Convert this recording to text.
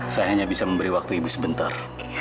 saya hanya bisa memberi waktu ibu sebentar